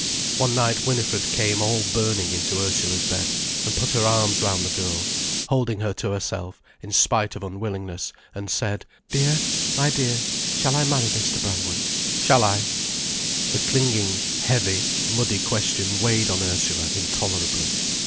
One night Winifred came all burning into Ursula's bed, and put her arms round the girl, holding her to herself in spite of unwillingness, and said, "Dear, my dear—shall I marry Mr. Brangwen—shall I?" The clinging, heavy, muddy question weighed on Ursula intolerably.